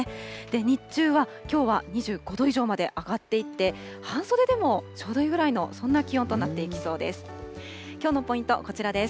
日中はきょうは２５度以上まで上がっていって、半袖でもちょうどいいくらいのそんな気温となっていきそうです。